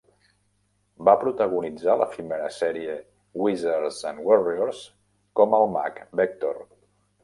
Va protagonitzar l'efímera sèrie "Wizards and Warriors" com el mag Vector.